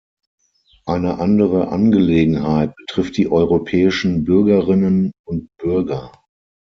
Eine andere Angelegenheit betrifft die europäischen Bürgerinnen und Bürger.